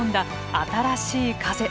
新しい風。